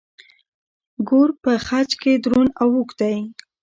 ګور په خج کې دروند او اوږد دی.